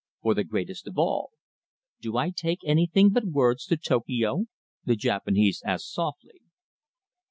"For the greatest of all." "Do I take anything but words to Tokio?" the Japanese asked softly.